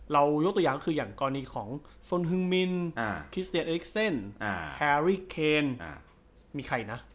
ยกตัวอย่างก็คืออย่างกรณีของสนฮึงมินคิสเตียนเอ็กเซนแฮรี่เคนมีใครนะ